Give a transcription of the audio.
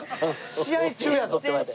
「試合中やぞ！」って言われて。